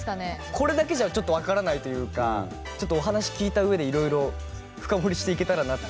これだけじゃちょっと分からないというかちょっとお話聞いたうえでいろいろ深掘りしていけたらなって。